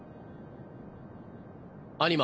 アニマ。